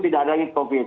tidak ada lagi covid